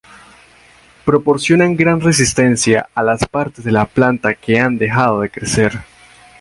Proporciona gran resistencia a las partes de la planta que han dejado de crecer.